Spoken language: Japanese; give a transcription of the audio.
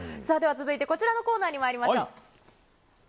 さあ、では続いて、こちらのコーナーにまいりましょう。